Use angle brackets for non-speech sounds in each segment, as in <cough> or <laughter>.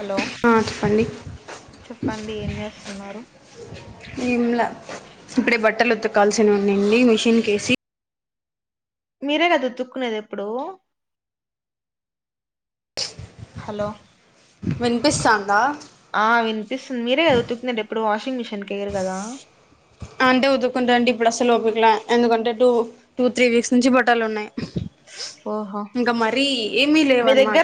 Hello హ చెప్పండి చెప్పండి ఏం చేస్తున్నారు ఏంలా ఇప్పుడే బట్టలు ఉతకాల్సి ఉండింది మిషిన్ క్కేసి మీరే కదా ఉతుక్కునేది ఎప్పుడూ హలో విన్పిస్సాందా ఆ విన్పిస్సుంది మీరే కదా ఉతుకునేదెప్పుడు వాషింగ్ మిషిన్కెయ్యరు గదా అంటే ఉదుకుంటండి ఇప్పుడస్సలు ఓపికలే ఎందుకంటే టు టూ త్రీ వీక్స్ నుంచి బట్టాలున్నై ఓహో ఇంకా మరీ ఏమి లేవన్నమాట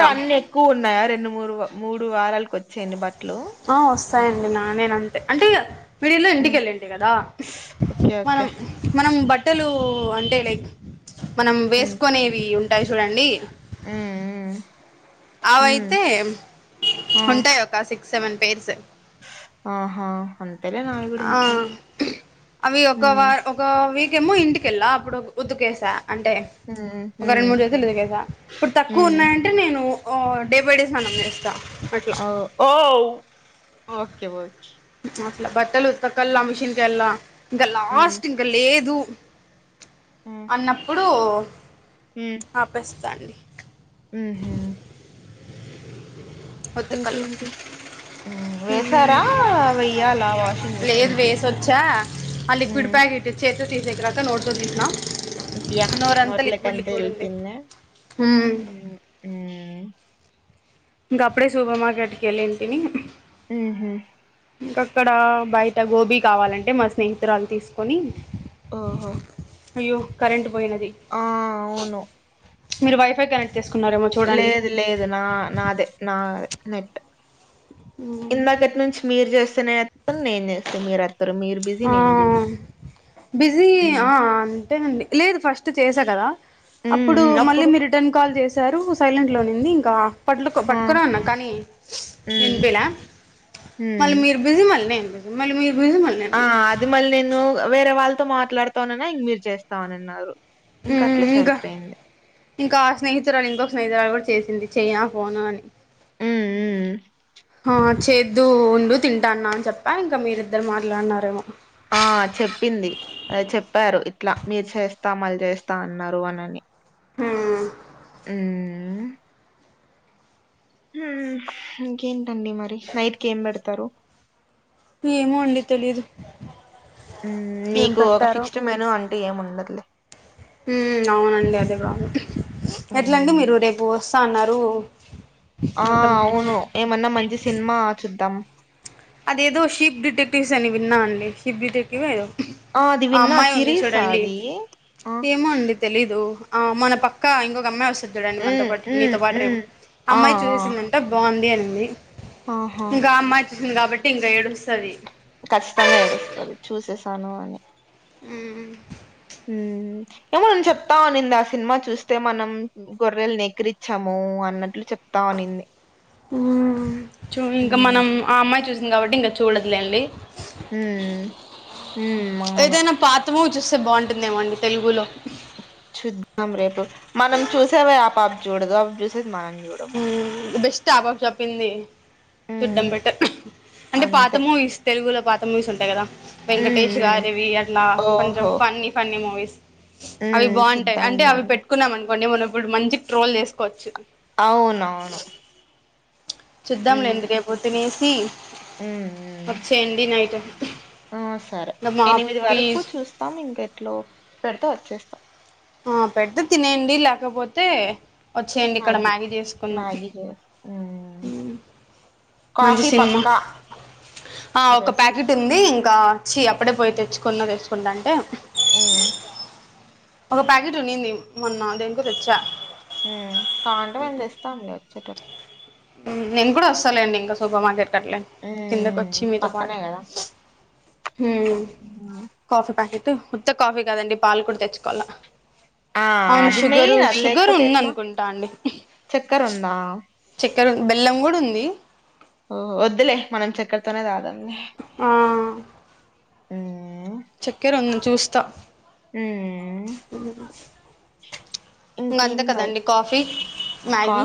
క్కువున్నాయా రెండు మూడు మూడు వారాల్కోచ్చేయన్ని బట్లూ ఆ వస్తాయండి నా నేనంతే అంటే ఫిడీల్లో ఉమ్ ఇంటికెళ్ళింటి గదా ఓకే మనం ఓకే మనం బట్టలు అంటే లైక్ మనం వేస్కోనేవి ఉంటై చూడండి ఉ ఉ అవైతే ఉమ్, ఆ ఉంటై ఒక సిక్స్ సెవెన్ పేర్స్ ఆహా అంతేలే నావి గూడా ఆ ఇంచుమించు అవి ఒక హు వా ఒక వీకేమో ఇంటికెళ్ళా అప్పుడు ఉతీకేసా అంటే ఉమ్ ఒక ఉమ్ రెండు మూడు జతలు ఉదుకేసా ఇప్పుడు ఉమ్ తక్కువున్నాయంటే నేను ఓ డే బై డే స్నానం జేస్తా ఓ ఔ ఓకే ఓకే అసలు బట్టలు ఉత్కక్కల్లా మిషిన్కెళ్లా ఇంకా ఉమ్ లాస్ట్ ఇంకా లేదు ఉమ్ అన్నప్పుడు ఉమ్ ఆపేస్తాండి ఉహు ఉతకల్ల ఇంకేంటి హ్మ్. హు వేశారా? వెయ్యాలా వాషింగ్ లేదు మిషన్‌కి? వేసొచ్చా అ లిక్విడ్ హ్మ్. ప్యాకెట్ చేత్తో తీసేకరాక నోట్తోతీస్నా యాహ్! నోరంతా లిక్విడ్ నోట్లోకంతే లిక్విడ్ ఉంది ఉ ఇంగప్పుడే సూపర్ మార్కెట్ కెళ్ళుంటిని ఉహు ఇంకక్కడ బైట గోబీ కావాలంటే మా స్నేహితురాలు తీస్కోని ఓహో! అయ్యో కరెంట్ పోయింది ఆ ఔను మీరు వైఫై కనెక్ట్ చేస్కున్నారేమో చు లేదు లేదు నా నాదే నా నెట్ ఇందాకట్నించి మీరు చేస్తేనేత్తను నేను చేస్తా మీరు ఎత్తరు మీరు బిజీ, ఆ నేను బిజీ. బిజీ హ్మ్. ఆ అంతేనండి లేదు ఫస్ట్ చేసా కదా హ్మ్. అప్పుడు హ్మ్. మళ్ళీ మీరు రిటర్న్ కాల్ చేసారు సైలెంట్ లో ఉన్నింది ఇంకా <unintelligible> ఆ! పట్కోనే ఉన్న కానీ హ్మ్. విన్పియలా మళ్ళీ హ్మ్. మీరు బిజీ మళ్ళ నేను బిజీ మళ్ళీ మీరు బిజీ మళ్ళీ నేను ఆ! బి అది మళ్ళీ నేను వేరే వాళ్తో మాట్లాడతొననా ఇంక మీరు చేస్తావున్నింన్నరు ఇంక అట్లే ఇంకా సరిపోయింది ఇంకా ఆ స్నేహితురాలు ఇంకో స్నేహితురాలు కూడ చేసింది చైనా ఫోను అని ఉ ఉ ఆ చేద్దువుండు తింటాన్నా అని చెప్పా ఇంకా మీరిద్దరు మాట్లాడ్నారేమో ఆ చెప్పింది చెప్పారు ఇట్ల మీరు చేస్తాం మళ్ చేస్త అన్నారు అనని ఉ హుహ్ ఇంకేంటండి మరి నైట్కేం పెడ్తరు ఏమో అండి తెలీదు ఉ ఏం మీకు ఒక పెట్టారో ఫిక్స్డ్ మెను అంటూ ఏముండదులే హు అవునండి అదే బాగు ఎట్లండి మ్మ్ మీరు రేపొస్త అన్నారు ఆ మొత్తం అవును ఏమన్న మంచి సినిమా చుద్దాం అదేదో షిప్ డిటెక్టివ్స్ అని విన్నా అండి షిప్ డిటెక్టివో ఏదో అది ఆ విన్నా అమ్మాయి ఉంది సిరీస్ ఆ చూడండి అది ఆ ఏమో అండి తెలీదు ఆ మన పక్కా ఇంగో అమ్మాయి చూడండి మనతో మ్మ్ పాటు మ్మ్ మీతో పాటు రేపు మ్మ్ ఆ అమ్మాయి ఆ చూసేసిందంట బాగుంది అనింది ఆహా ఇంకా ఆ అమ్మాయి చూసింది కాబట్టి ఇంక ఏడుస్తాది ఖచ్చితంగా ఏడుస్తది చూసేసాను అని ఉ ఉ <unintelligible> చెప్తా ఉన్నింది ఆ సినిమా చూస్తే మనం గొర్రెల్ని ఎక్కిరిచ్చము అన్నట్లు చెప్తావునింది ఉ చూ ఇంగ హ్మ్. మనం ఆ అమ్మాయి చూసింది కాబట్టి ఇంగ చూడొద్దులేండి హు హు అవును ఏదైనా పాత మూవీ చూస్తే బాగుంటుందేమోనండి తెలుగులో చూద్దాం రేపు మనం చూసేవే ఆ పాప జూడదు ఆమె చూసేది మనం జూ ఉ బెస్ట్ ఆ పాప చెప్పింది హ్మ్. చూడ్డం బెటర్ అంటే పాత అంతే. మూవీస్ తెలుగులో పాత మూవీసుంటై గదా హ్మ్. వెంకటేష్ హ్మ్. గారివి అట్లా కొంచెం ఓహో! ఫన్నీ ఫన్నీ మూవీస్ హ్మ్. అవి బాగుంటై చూద్దాం అంటే అవి మనం. పెట్టుకున్నామనుకోండి మనం అప్పుడు మంచి ట్రోల్ చేస్కోవచ్చు అవునవును చూద్దాంలేండి హ్మ్. రేపు హ్మ్. తినేసి హ్మ్. వచ్చేయండి నైట్ నా మాప్టీ తాం ఇంకెట్లో పెడితే ఒచ్చేస్త హా పెడ్తే తినేయండి లేకపోతే ఒచ్చేయండి ఇక్కడ మ్యాగీ చేస్కుందాం మ్యాగీ చేస్ హ్మ్. మంచి కాఫీ సిన్మ పక్కా ఆ ఒక రేపు ప్యాకెట్ ఉంది ఇంకా చీ అప్పుడే పోయి తెచ్చుకున్న తెచ్చుకుంటంటే ఉ ఒక ప్యాకెట్ ఉన్నింది మొన్న దేనికో దెచ్చ హు కాలంటే మేం దెస్తాం లే ఒచ్చేట నేన్కూడొస్తాలేండి ఇంగ సూపర్ మార్కెట్ కట్లే ఉమ్ కిందకొచ్చి మీతో పాటు పక్కనే హు మ్మ్ కాఫీ ప్యాకెట్ ఉత్త కాఫీ కాదండి పాలు కూడా తెచ్చుకోవాల ఆ ఔను అది షుగరు మెయిన్ అది లేకపోతే ఎట్లా షుగరుందనుకుంటా అండి చక్కెర ఉందా చక్కెర బెల్లం గూడుంది ఒద్దులే మనం చక్కెర్తోనే తాగుదాంలే ఆ ఉమ్ చక్కెరుంది చూస్తా ఉ ఇంగంతే ఇంకేంటి కదండి కాఫీ మ్యాగీ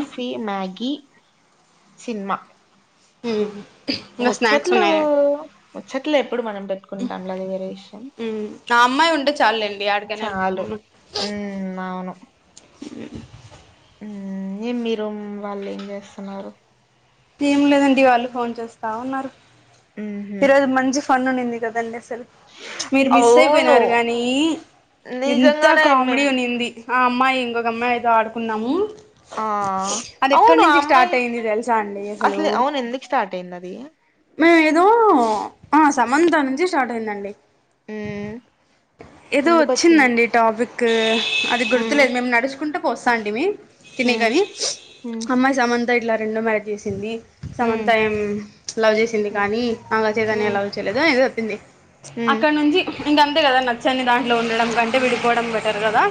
మ్యాగి సిన్మా ఉహు ఉహ్ ముచ్చట్లూ ముచ్చట్లే ఎప్పుడు మనం పెట్టుకుంటాం లే అది వేరే విషయం ఉ ఆ అమ్మాయి ఉంటే చాల్లేండి యాడికైనా ఎల్పోతాం చాలు ఉమ్ అవును ఉ మి మీ రూం వాళ్ళు ఏం జేస్తున్నారు ఏం లేదండి వాళ్ళు ఫోన్ చూస్తా ఉన్నారు ఉహు ఈరోజు మంచి ఫన్ ఉన్నింది కదండి అస్సలు మీరు మిస్ అవును అయిపోయినారు గానీ ఎంత నిజంగానే కామెడీ మేం ఉనింది ఆ అమ్మాయి ఇంకొకమ్మాయి ఏదో ఆడుకున్నాము ఆ అది ఎక్కడి అవును ఆ నుండి స్టార్ట్ అమ్మాయి అయ్యింది దెల్సాండి అస్సలు అసలు అవును ఎందుకు స్టార్ట్ అయింది అది ఏదో ఆ సమంత నుంచి స్టార్ట్ అయిందండి హ్మ్ ఏదో ఎందుకొచ్చింది వచ్చిందండి టాపిక్ అది హ్మ్ గుర్తులేదు మేము నడ్చుకుంటూ వస్సాంటిమి హ్మ్ తినేకని హ్మ్ అమ్మాయి సమంత ఇట్లా రెండో మ్యారేజ్ చేసింది సమంత హ్మ్ ఏం లవ్ చేసింది హ్మ్ కానీ నాగచైతన్య హ్మ్ లవ్ చేయలేదు అనేదో చెప్పింది హ్మ్ అక్కడ నుంచి ఇంక అంతే కదా నచ్చని దాంట్లో ఉండడం కం విడిపోవడం బెటర్ గదా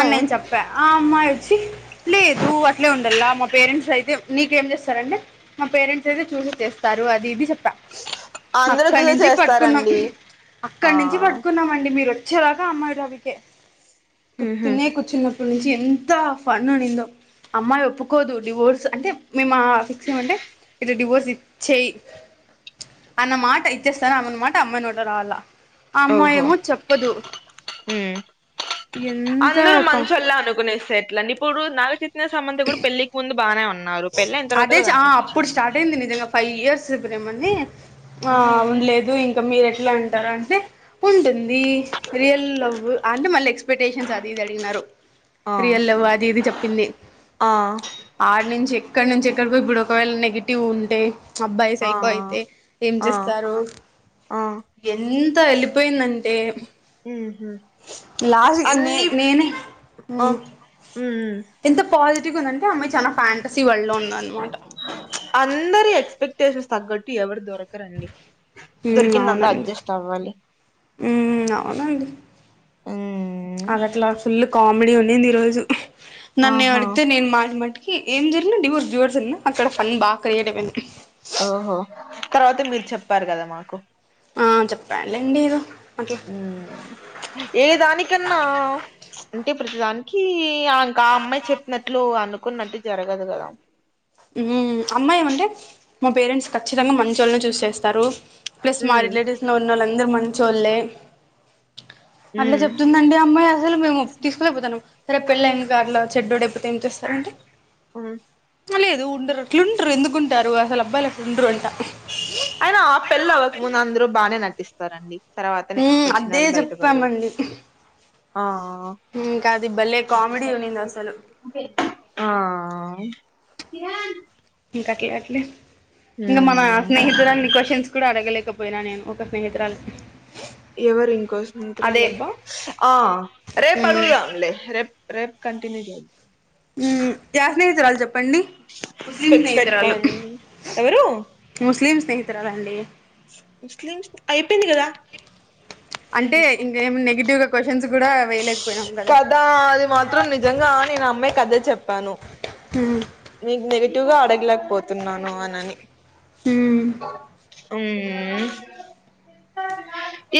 అని నేను చెప్పా ఆ అమ్మాయి ఒచ్చి లేదు అట్లే ఉండల్లా మా పేరెంట్స్ అయితే నీకేం చేస్తారంటే మా పేరెంట్స్ అయితే చూసి చేస్తారు అది ఇది చె అందరూ చూసే అక్కన్నించి పట్టుకున్నాం చేస్తారండి ఆ అక్కన్నించి పట్టుకున్నామండి మీరు వచ్చే దాకా ఆ అమ్మాయి టాపికే ఊహూ తినేకి కూర్చున్నప్పటినుంచి ఎంత ఫన్ ఉనిందో అమ్మాయి ఒప్పుకోదు డివోర్స్ అంటే మేమా ఫిక్సీ గుండే ఇటు డివోర్స్ ఇచ్చై అన్నమాట ఇచ్చేస్తానన్న మాట ఆ అమ్మాయి నోట రావాలా ఆ అమ్మాయేమో చెప్పదు హు అందరూ ఎంత మంచోల్ళ అనుకునేస్తే ఎట్లా ఇప్పుడు నాగ చైతన్య సమంత గూడా పెళ్ళికి ముందు బానే ఉన్నారు పెళ్ళైన తర్వాత గదండి ఒచ్చిం స్టార్టైంది నిజంగా ఫైవ్ ఇయర్స్ ఇప్పురేమండి ఆ ఉండ్లేదు ఇంకా మీరెట్లాంటారంటే ఉంటుం దీ రియల్ లవ్ అంటే మళ్ళీ ఎక్స్పెక్టేషన్స్ అదీ ఇది అడిగినారు ఆ ఆ రియల్ లవ్ అదీ ఇది చెప్పింది ఆ ఆడ్నించి ఎక్కన్నించి ఎక్కడ్కో ఇప్పుడు ఒకవేళ నెగిటివ్ ఉంటే అబ్బాయి ఆ సైకో అయితే ఏం ఆ చేస్తారు ఆ ఎంత ఎల్లిపోయిందంటే ఊహూ లాస్ట్ కి నే అన్ని నేనే ఆ ఉమ్ ఎంత పాజిటివ్ గా ఉందంటే అమ్మాయి చాలా ఫాంటసీ వరల్డ్ లో ఉందనమాట అందరి ఎక్స్పెక్టేషన్స్ తగ్గట్టు ఎవరు దొరకరండి హు దొరికిందంతా ఔనండి అడ్జస్ట్ అవ్వాలి ఉ ఔనండి ఉమ్ అదట్లా ఫుల్ కామెడీ ఉనింది ఈ రోజు ఆహా నన్నేమడిగ్తే నేను మాటి మాటి ఏం జరిగిన డివోర్స్ డివోర్స్ నా ఇగ అక్కడ ఫన్నీబాగ క్రియేట్ అయిపోయింది ఆహా తర్వాత మీరు చెప్పారు కదా మాకు ఆ చెప్పానులేండి ఏదో ఏ దానికన్నా అంటే ప్రతి దాని కీ ఆ క అమ్మాయి చెప్పినట్లు అనుకున్నట్టు జరగదు గదా ఉమ్ అమ్మాయి ఏమంటే మా పేరెంట్స్ ఖచ్చితంగా మంచోళ్ళని చూసి చేస్తారు ప్లస్ మా ఉమ్ రిలేటివ్స్ లో ఉన్నోళ్ళందరు మంచోళ్ళే అట్లా ఉమ్ జెప్తుందండి ఆ అమ్మాయి అసలు మేము తీసుకోలేక్పోతాన్నాం సరే పెళ్ళైంది ది గార్లో చెడ్డోడైపోతే ఏం చేస్తారండి ఉ ఆలేదో ఉండరు అట్లుండ్రూ ఎందుకుంటారు అసలు అబ్బాయిలు అట్లు ఉండరు అంట అయినా పెళ్లి అవ్వకముందు అందరూ బానే నటిస్తారండి తర్వాతనే మ్మ్ అదే ఒచ్చినోళ్ళు బయటపడేది చెప్పామండి ఆ ఇంకా అది భలే కామెడీ ఉన్నింది అసలు అ ఆ ఇంక అట్లే అట్లే ఇంగా మన హ్మ్ స్నేహితులన్ని క్వశ్చన్ కుడా అడగలేకపోయినా నేను ఒక స్నేహితురాలు ఎవరు ఇంకో స్నేహితురాలబ్బా ఆ రేపు మ్ అడుగుదాంలే రేప్ రేప్ కంటిన్యూ జే ఉహు యా స్నేహితురాలు చెప్పండి ముస్లిం స్పెక్ట్స్ స్నేహితురాలు పెట్టుకొని ఎవరు ముస్లిం స్నేహితురాలండి ముస్లిమ్స్ అయిపోయింది కదా నేను అంటే తీసుకోను ఇంకేం నెగిటివ్ గా క్వశ్చన్స్ గూడా వేయలేకపోయినం కదా దా అది మాత్రం నిజం గా నేను అమ్మాయి కదే చెప్పాను ఉహు నీక్ నెగటివ్ గా అడగ్లెక్పోతున్నాను అనని ఉహూ ఉమ్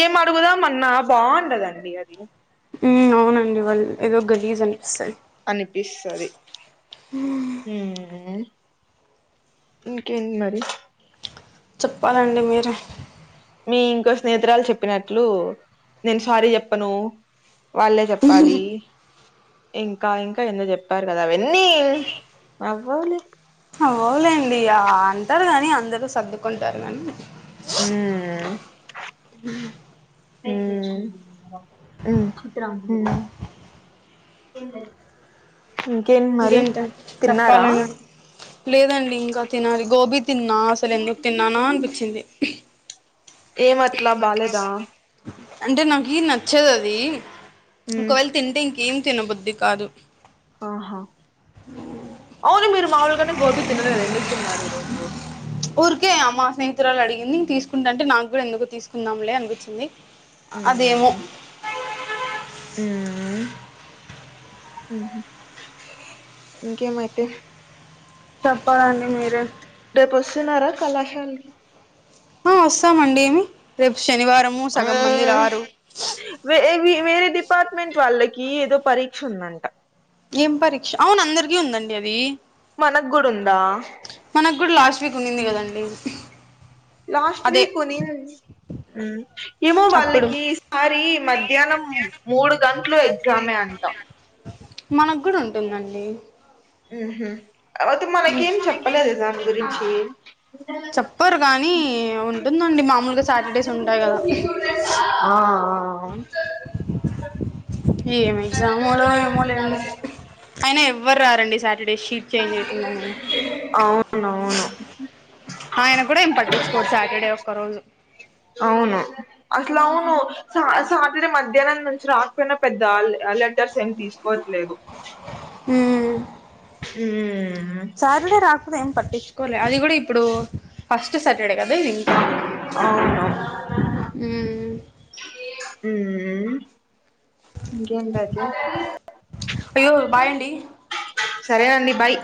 ఏం అడుగుదాం అన్నా బాగుండదండి అది ఉ ఔనండి వాళ్ళు ఏదో గలీజ్ అనిపిస్తది అనిపిస్సది ఉమ్ ఇంకేంది మరి చెప్పాలండి మీరే మీ ఇంకో స్నేహితురాలు చెప్పినట్లూ నేను సారీ చెప్పను వాళ్ళే చెప్పాలి ఇంకా ఇంకా ఎందో చెప్పారు గదా అవన్నీ అవ్వాలి అవులేండి అంటారు గాని అందరు సర్దుకుంటారు కానీ మ్మ్ హ మ్మ్ మ్మ్ ఇంకేం మరి ఇంకేంట తిన్నారా చెప్పాలనా లేదండి ఇంకా తినాలి గోబీ తిన్నా అసలు ఎందుకు తిన్నానా అనిపించింది ఏం అట్లా బాలేదా అంటే నాకీ నచ్చదది మ్మ్ ఒకవేళ తింటే ఇంకేం తినబుద్ది కాదు ఆహా అవును మీరు మాముూలుగనే గోబీ తినరు గదా ఎందుకు తిన్నారు ఈ రోజు ఊరికే అ మ్మా స్నేహితురాలు అడిగింది తీసుకుంటాంటే నాగ్గుడా ఎందుకో తీసుక్ కుందాంలే అనిపించింది అదేమో ఉమ్ ఊ ఉమ్ హ్ ఇంకేమయితే చెప్పాలండి మీరే రేపొస్తున్నారా కళాశాలకి రేపు శనివారము సగం మంది మ్మ్ రారు వే వే వేరే డిపార్ట్మెంట్ వాళ్ళకి ఏదో పరీక్ష ఉందంట ఏం పరీక్ష అవును అందరికీ ఉందండి అదీ మనగ్గుడ ఉందా మనగ్గుడ లాస్ట్ వీక్ ఉండింది ది కదండి లాస్ట్ అదే వీక్ ఉండిన్ ఏమో అప్పుడు వాళ్ళకి ఈసారి మధ్యాహ్నం మూడు గంటలు ఎగ్జామే అంటా మనగ్గుడ ఉంటుందండి కాపొతే మనకేం చెప్పలేదే దాని గురించి చెప్పరు గానీ ఉంటుందండి మామూలుగా సాటర్డేస్ ఉంటాయి గదా ఆ ఆ అయినా ఎవ్వరు రారండి సాటర్డే షీట్ చేంజ్ అవుతుందని అవునవును ఆయన గ్గుడ ఏం పట్టిచ్చుకోడు సాటర్డే ఒక్క రోజు అవును అసలవును సా సాటర్డే మధ్యాహ్నం నుంచి రాకపోయినా పెద్ద లె లెటర్స్ ఏం తీస్ కోట్లేవు ఉమ్ ఉమ్ సాటర్డే రాకున్న ఎం పట్టిచ్చు కోర్లే అది గూడ ఇప్పుడు ఫస్ట్ సాటర్డే కదా ఇది ఇంకా అవును ఉమ్ ఉ ఉమ్ ఇంకేంటండి అయ్యో బాయ్ అండి సరే అండి బాయ్